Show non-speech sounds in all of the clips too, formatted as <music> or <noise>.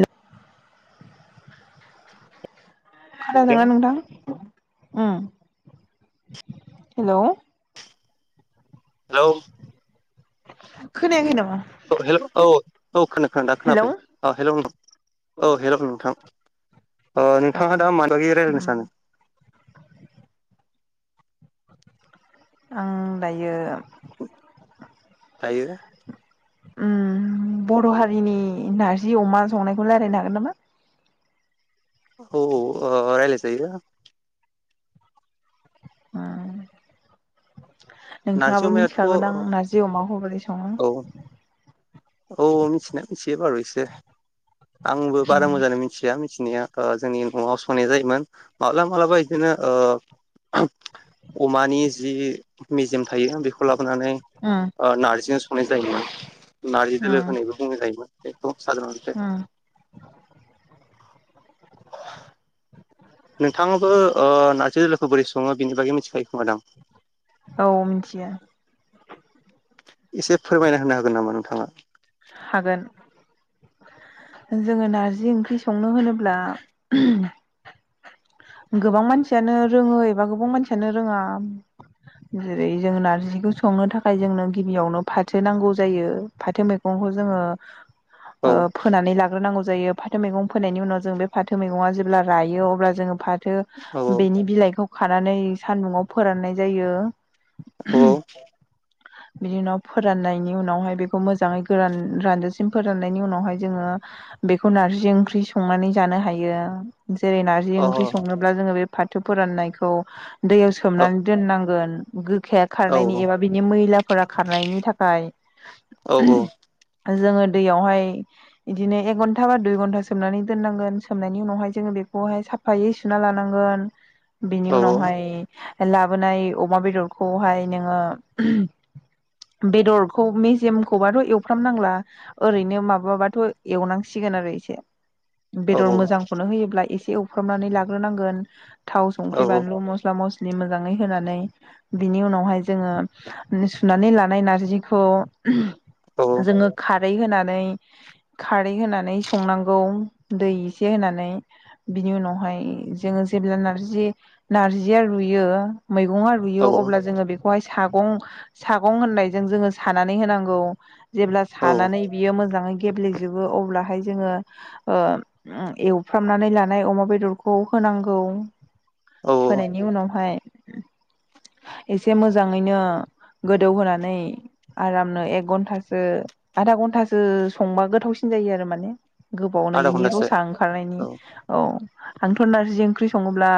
ए। <inaudible> खोनादोंना हेल' नोंथां? उम हेल'। हेल'। खोनायाखै नामा? औ हेल' औ औ खोना दा हेलौ खोनाबाय औ हेल' नोंथां। औ नोंथाङा दा मानि बागै रायलायनो उम सानो? आं दायो दायो? उम बर' हारिनि नारजि अमा संनायखौ रायजलायनो हागोन नामा? औ औ ओ रायलायजायो। नारजि नोंथाङाबो अमायाथ' मिथिखागौ दां औ नारजि अमाखौ बोरै सङो औ मिथिनाया मिथियो बार' एसे आंबो बारा मोजाङा मिथिया। जोंनि न'आव संनाय जायो मा माब्लाबा माब्लाबा बिदिनो ओ अमानि जि मेजेम थायो बेखौ लाबोनानै उम नारजिजों संनाय जायो नारजि दोलो उम होनना बुंनाय जायो। उम <unintelligible> नोंथाङाबो नार्जि दोलोखौ बोरै सङो बेनि बागै मिथिखायो खोमादां? औ मिथियो। एसे फोरमायना होनो हागोन नामा नोंथाङा? हागोन। जोङो नारजि ओंख्रि संनो होनोब्ला गोबां मानसियानो रोङो एबा गोबां मानसियानो रोङा। जेरै जों नारजिखौ संनो थाखाय जोंनो गिबियावनो फाथो नांगौ जायो फाथो मैगं फाथो मैगंखौ औ जों फोनानै लाग्रोनांगौ जायो फाथो मैगं फोनायनि उनाव जों बे फाथो मैगङा जेब्ला रायो अब्ला जोङो माथो औ बेनि बिलाइखौ खानानै सान्दुंआव फोराननाय जायो। <inaudible> औ बिनि उनाव फोराननायनि उनावहाय बेखौ मोजाङै गोरान रानजासिम फोराननायनि उनावहाय जोङो। बेखौ नारजि ओंख्रि संनानै जानो हायो जेरै नारजि ओंख्रि संनोब्ला जोङो बे फाथो फोराननायखौ दैयाव औ सोमनानै दोननांगोन। गोखाया औ खारनायनि एबा बिनि मैलाफोरा खारनायनि थाखाय। औ जोङो दैयावहाय बिदिनो एक घन्टा बा दुइ घन्टा सोमनानै दोननांगोन सोमनायनि उनावहाय जोङो बे खौहाय साफायै सुना लानांगोन बिनि औ उनावहाय लाबोनाय अमा बेदरखौहाय नोङो बेदरखौ मेजेमखौबाथ' एवफ्रामनांला ओरैनो माबाबाथ' एवनांसिगोन एसे बेदर मोजांखौनो होयोब्ला एसे एवफ्रामनानै लाग्रोनांगोन। थाव संख्रि बानलु मस्ला मस्लि मोजाङै होनानै बिनि उनावहाय जोङो सुनानै लानाय नारजिखौ जोङो। खादै होनानै खारै होनानै संनांगौ दै इसे होनानै बिनि उनावहाय। जों जेब्ला रुयो मैगं रुयो औ अब्ला जों बिखौहाय सागं सागं होननायजों जोङो सानानै होनांगौ। जेब्ला औ सानानै बियो मोजाङै गेब्लेजोबोअब्लाहाय जोङो ओ एवफ्रामनानै लानाय अमा बेदरखौ खौ होनांगौ औ होनायनि उनावहाय एसे मोजाङैनो गोदौहोनानै आरामनो एक घन्टासो आधा घन्टासो संबा गोथावसिन जायो आरो माने। गोबावनो आधा इनि घन्टासो रसा ओंखारनायनि औ औ। आंथ' नारजि ओंख्रि सङोब्ला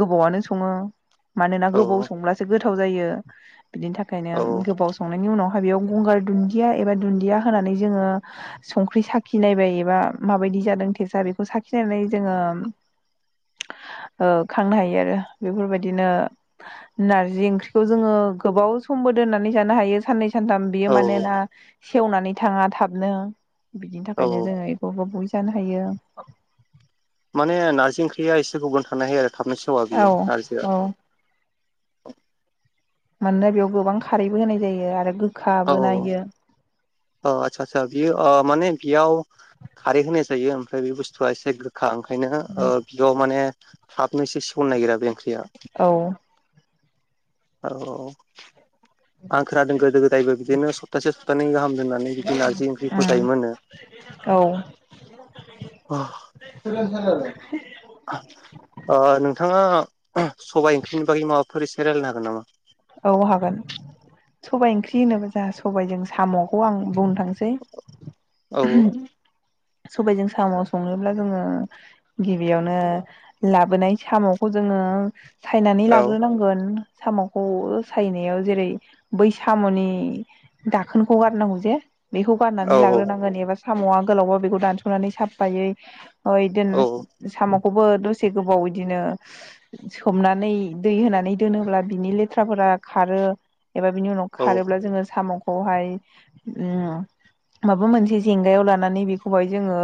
गोबावनो सङो मानोना गोबाव औ संब्लासो गोथा गोथाव जायो बिनि थाखायनो औ गोबाव संनायनि उनाव गंगार दुन्दिया एबा दुन्दिया होनानै जोङो संख्रि साखि नायबाय एबा मा बायदि। बिदि जादों थेसा बेखौ साखिनानै जोङो। खांनो हायो आरो बेफोर बायदिनो। नारजि ओंख्रिखौ जोङो गोबाव समबो दोननानै जानो हायो साननै। सानथाम बियो औ मानोना सेवनानै थाङा थाबनो बिनि थाखायनो औ जोङो एखौ। जानो हायो। माने नार्जि ओंख्रिया एसे गोबाव थानो हायो आरो थाबनो सेवा औ बियो नारजिआ औ <unintelligible> मानोना बेयाव गोबां खारैबो होनाय जायो आरो गोखाबो ना इयो अ आस्सा आसा बियो अ माने बेयाव खारै होनाय जायो ओमफ्राय बे बुस्थुआ एसे गोखा ओंखार ओंखायनो ओ बियाव माने थाबनो एसे सेवनो नागिरा बे ओंख्रि औ औ औ आं खोनादों गोदो गोदायबो बिदिनो सप्तासे सप्तानै गाहाम होननानै बिदि नारजि ओंख्रिखौ उम जायोमोननो औ अ नोंथाङा सबाइ ओंख्रिनि बागै माबाफोर एसे रायलायनो हागोन नामा औ हागोन सबाइ ओंख्रि होनोबा जोंहा सबाइजों सामखौ आं बुं- थांसै औ सबायजों साम संनोब्ला जोङो गिबियावनो लाबोनाय सामखौ जों ओ सायनानै औ लाग्रोनांगोन सामखौ अ सायनायाव जेरै बै सामनि दाखोनखौ गारनांगौ जे बेखौ गाननानै औ लाग्रोनांगोन एबा सामआ गोलावबा बेखौ दानसनानै सापायै ओइ दिन औ साम खौबो दसे गोबाव इदिनो सोमनानै दै होनानै दोनोब्ला बिनि ले थ्राफोरा खारो एबा बिनि उनाव औ खारोब्ला जोङो साम खौहाय उम माबा मोनसे जेंगायाव लानानै बेखौहाय जोङो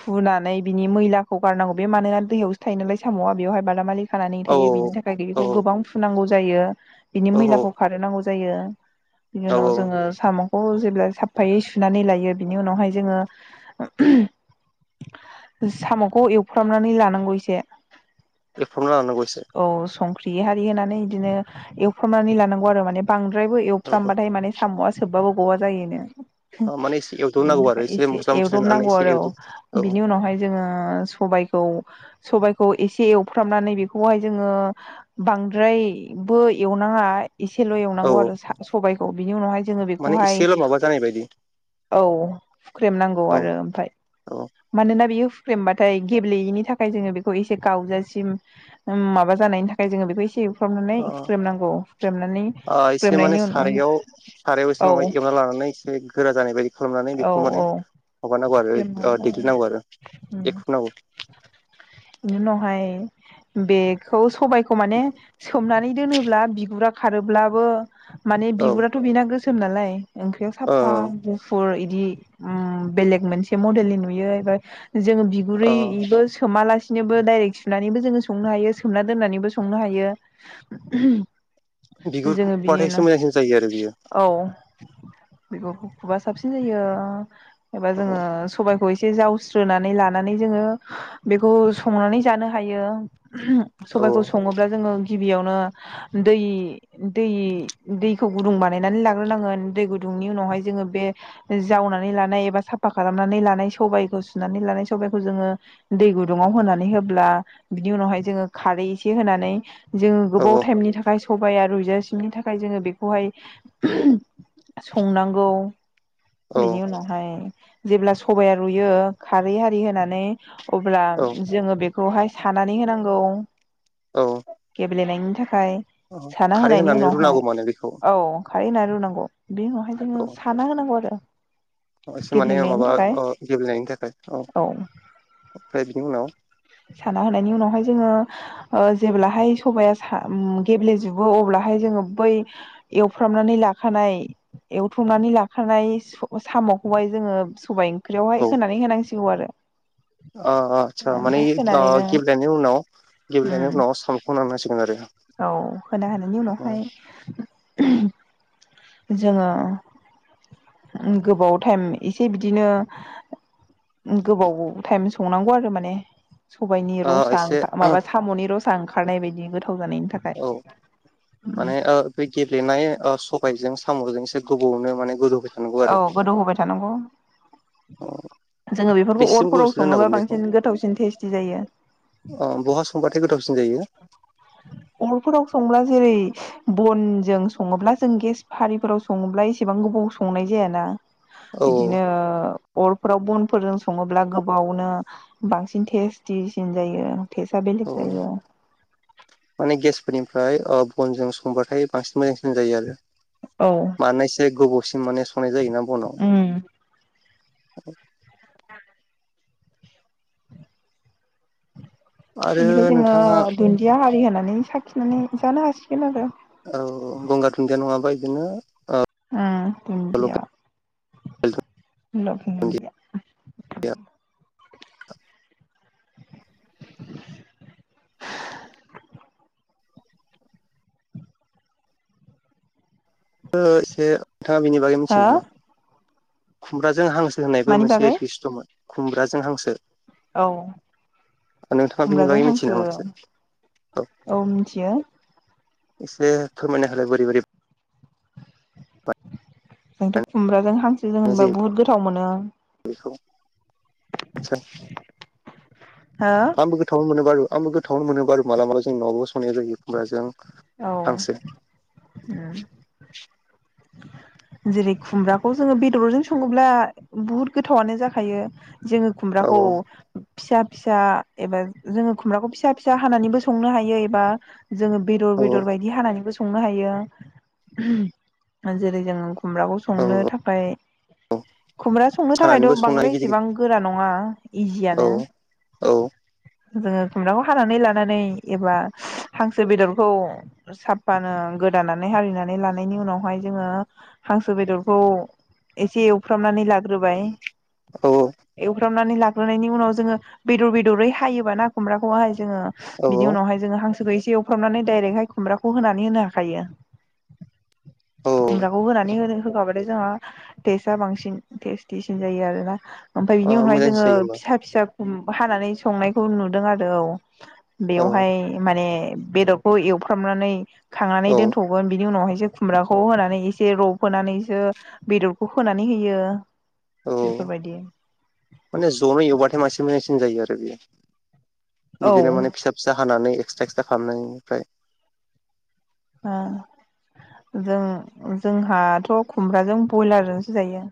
हुनानै बिनि मैलाखौ गारनांगौ बे मानोना दैहायावसो थायो नालाय सामआ बेवहाय बादामालि खानानै थायो बिनि थाखाय औ बेखौ गोबां फुनांगौ जायो बिनि औ मैलाखौ खारहोनांगौ जायो बिनि औ उनाव औ जोङो साम खौ जेब्ला साफायै सुनानै लायो बिनि उनावहाय जोङो सामखौ एवफ्रामनानै लानांगौ एसे एवफ्रामना लानांगौ एसे औ संख्रि हारि होनानै बिदिनो एवफ्रामनानै लानांगौ आरो माने बांद्रायबो औ एवफ्रामबाथाय माने सामआ सोबबाबो गवा जायोनो अ मानिश बिनि थाखाय एसे एवदबनांगौ आरो एवदब औ बिनि उनावहाय जोङो सबायखौ सबायाइखौ एसे एवफ्रामनानै बेखौहाय जोङो बांद्राय बो एवनाङा एसेल औ एवनांगौ आरो सा-सबायखौ बिनि उनावहाय जोङो माने बेखौहाय एसेल' माबा जानाय बायदि औ फुख्रेमनांगौ औ आरो ओमफ्राय औ मानोना बेयो फुख्रेमबाथाय गेब्लेयिनि थाखाय जोङो बेखौ एसे गावजासिम माबा जानायनि थाखाय। जोङो बेखौ एसे सुख्रबनानै ओ हुख्रेमनांगौ हुख्रेमनानै ओ एसे माने हुख्रेमनायनि उनाव सारायाव सारायाव एसे औ माबा एवना लानानै एसे गोरा जानाय बायदि खालामनानै औ बेखौ माने औ माबानांगौ हुख्रेमना आरो लाबाय देग्लिनांगौ आरो एख्रुबनांगौ इनि उनावहाय बेखौ सबायखौ माने सोमनानै दोनोब्ला बिगुरा खारोब्लाबो माने औ बिगुराथ बेना गोसोम नालाय ओंख्रियाव ओ साफा गुफुर इदि उम बेले मोनसे मडेलनि नुयो एबा जोङो ओ बिगुरैबो सोमालासि सिनोबो डाइरेक्ट सुनानैबो जोङो संनो हायो सोमना दोननानैबो संनो हायो। बिगुर जोङो बिनि खुबाथायसो उनाव मोजांसिन जायो आरो बियो औ बिगरखौ खुबा साबसिन जायो एबा औ जोङो सबाय खौ एसे जावस्रोनानै लानानै जोङो बेखौ संनानै जानो हायो। औ सबायखौ सङोब्ला जोङो गिबियावनो दै दैखौ गुदुं बानायनानै लाग्रोनांगोन दै गुदुं नि उनवहाय जोङो बे जावनानै लानाय एबा साफा खालामनानै लानाय सबायाइखौ सुनानै लानाय सबायाइखौ जोङो दै गुदुंयाव होनानै होब्ला बिनि उनावहाय जोङो खारै एसे होनानै जोङो औ गोबाव टाइमनि थाखाय सबाया रुइजासिनि थाखाय जोङो बेखौहाय संनांगौ औ बिनि उनावहाय जेब्ला सबाया रुयो खारै आरि होनानै अब्ला औ जोङो बेखौहाय सानानै होनांगौ। औ गेलेनायनि थाखाय औ साना खारै होनायनि होनानै उनावहाय रुनांगौ माने बेखौ औ खारै होनानै रुनांगौ बिनि उनावहाय जोङो औ साना होनांगौ आरो एसे माने गेब्लेनायनि माबा थाखाय गेब्लेनायनि थाखाय औ ओमफ्राय बिनि उनाव साना होनायनि उनावहाय जोङो जेब्लाहाय सबाया गेब्लेजोबो अब्ला ओमफाय जोङो बै एवफ्रामनानै लाखानाय एवथुमनानै लाखानाय साम'खौहाय जोङो सबाइ ओं औ ओंख्रियावहाय होनानै होनांसिगौ आरो ओ ओ आतसा माने ओमफ्राय होनानै जोङो गेब्लेनायनि उनाव उम गेब्लेनायनि उनाव साम' खौ होनांसिगोन आरो। औ होना होनायनि उनावहाय जोङो गोबाव टाइम एसे बिदिनो गोबाव टाइम संनांगौ आरो माने सबायाइनि रशा एसे ओंखार औ माबा साम'नि रसा ओंखारनाय बायदिनो औ माने बे गेब्लेनाय आ स साबाइजों साम'जों एसे गोबावनो माने गोदौ औ गोदौ होबाय थानांगौ जोङो बेफोरखौ बेसेसिम अरफोराव गोबावसो दोननांगौ सङोबा बेखौ बांसिन गोथावसिन टेसथि जायो। अ बहा संबाथाय गोथावसिन जायो। <inaudible> अरफोराव संब्ला जेरै- बनजों सङोब्ला जों गेस फारिफोराव सङोब्ला एसेबां गोबां गोबाव संनाय जायाना औ औ बिदिनो अरफोराव बनफोरजों सङोब्ला गोबावनो बांसिन टेस्टिसिन जायो टेस्टआ औ बेलेग जायो। माने गेसफोरनिफ्राय ओ बनजों संबाथाय बांसिन मोजांसि जायो आरो औ माने एसे गोबावसिन माने संनाय जायोना उम बनाव। <unintelligible> आरो बेनिफ्राय जोङो नोंथाङा दुन्दिया हारि होनानै साखिनानै जानो हासिगोन आरो। औ-औ गंगार दुुनदिया नङाबा इदिनो। उम दुनदिया। दुन्दिया <unintelligible> एसे नोंथाङा बिनि बागै मिथियो हो नामा खुमब्राजों हांस होनायबो मानि बागै मोनसे दिस्थ' दंमोन खुमब्राजों हांसो। औ। नोंथाङा बेनि खुमब्राजों बागै मथियो हांसो नामा एसे। औ मिथियो एसे फोरमायना होलाय बोरै-बोरै बानायनाय जोंथ' खुमब्राजों हांसोजों होनबा बुहुद गोथाव मोनो आं। आदचा। हो आंबो गोथावानो मोनो बारु आंबो गोथावानो मोनो बारु मालाबा मालाबा जों नआवबो संनाय जायो खुमब्राजों। औ हांसो उम। जेरै- खुमब्राखौ जोङो बेदरजों सङोब्ला बुहुद गोथावानो जाखायो। जोङो औ खुमब्राखौ फिसा फिसा एबा जोङो खुमब्राखौ फिसा फिसा हानानैबो संनो हायो एबा जोङो बेदर औ बेदर बायदि हानानैबो संनो हायो जेरै जों खुमब्राखौ औ संनो थाखाय। औ खुमब्रा संनो खानानैबो थाखायथ' संनो हायो बांद्राय गिदिर गिदिर इसेबां गोरा नङा औ इजियानो। औ। जोङो खुमब्राखौ हानानै लानानै एबा हांसो बेदरखौ। साफफानो गोदानानै हारिनानै लानायनि उनावहाय जोङो हांसो बेदरखौ एसे एवफ्रामनानै लाग्रोबाय। औ-औ। एवफ्रामनानै लाग्रायनि उनाव जोङो बेदर बेदरै हायोबा ना खुमब्राखौहाय। जोङो औ बिनि उनावहाय जोङो हांसोखौ इसे एवफ्रामनानै दाइरेक्टहाय खुमब्राखौ होनानै होनो हाखायो। औ ओ खुमब्राखौ होनानै होखाबाथाय जोंहा टेस्टआ बांसिन टेस्टिसिन जायो आरोना। ओमफ्राय बिनि उनावहाय मोजांसिन जोङो जायो होमबा फिसा फिसा हानानै संनायखौ नुदों आरो औ। औ बेवहाय माने बेदरखौ एवफ्रामनानै। खांनानै औ दोनथ'गोन बिनि उनावहाय ओ खुमब्राखौ होनानै एसे रब होनोनानैसो बेदरखौ होनानै होयो। औ बेफोरबायदि। माने ज'नो एवबाथाय मासे मोजांसिन जायो आरो बेयो। औ बिदिनो माने ओ फिसा फिसा हानानै एक्सट्रा एक्सट्रा खालामनायनिफ्राय। ओ। जों-जोंहाथ' खुमब्राजों बयलारजोंसो जायो।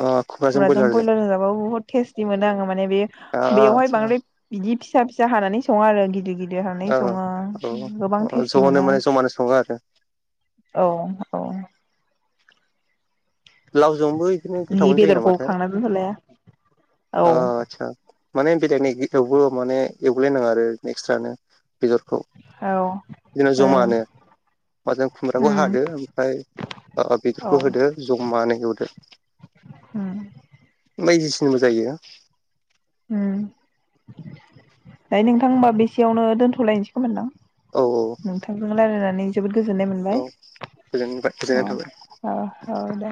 ओ खुमब्राजों खुम्राजों बयलारजों जाबाबो बुहुद टेस्टि मोनो आङो माने बे ओ बेवहाय आदसा बांद्राय बिदि फि फिसा फिसा हानानै सङो आरो गिदिर गिदिर हानानै औ सङो गोबां औ टेस्टि ज'नो मोनो। माने जमानो सङो आरो औ-औ। लावजोंबो इखोनो जि गोथावानो जायो बेदरखौ नामाथाय? खांना दोनथ'लाया औ ओ आदसा माने बेलेगनि गिदावबो माने। एवग्लायनाङा आरो नेक्सट्रानो बेदरखौ। ह ओ बिदिनो जमानो माजों खुमब्राखौ हादो ओमफ्राय औ बेदरखौ होदो मानै एवदो उम बायदिसिनबो जायो ओम दाय नोंथां होनोमबा बेसेयावनो दोनथ'लायसै खोमानदां औ नोंथांजों रायलायनानै जोबोद गोजोननाय मोनबाय औ गोजोनबाय अ गोजोननाय थाबाय औ - औ दे